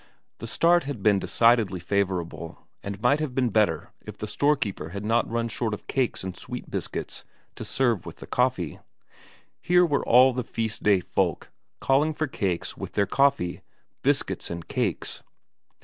The start had been decidedly favourable, and might have been better if the storekeeper had not run short of cakes and sweet biscuits to serve with the coffee; here were all the feast day folk calling for cakes with their coffee, biscuits and cakes!